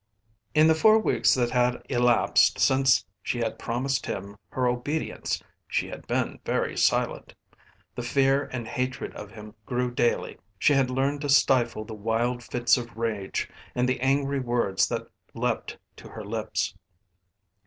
In the four weeks that had elapsed since she had promised him her obedience she had been very silent. The fear and hatred of him grew daily. She had learned to stifle the wild fits of rage and the angry words that leaped to her lips.